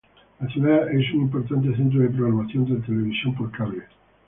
La ciudad es un importante centro de programación de televisión por cable.